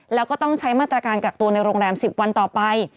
แล้วก็ต้องใช้มาตรการกักตัวในโรงแรม๑๐วันต่อไป